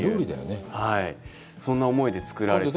そんな思いで作られてて。